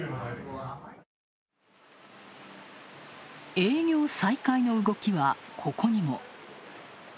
営業再開の動きは、ここにも。